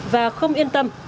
và không yên tâm